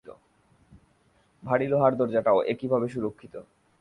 ভারি লোহার দরজাটাও একইভাবে সুরক্ষিত।